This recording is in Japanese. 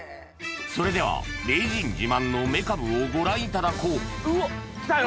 それでは名人自慢のメカブをご覧いただこうきたよ！